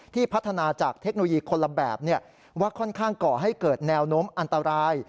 พัฒนาจากเทคโนโลยีคนละแบบว่าค่อนข้างก่อให้เกิดแนวโน้มอันตราย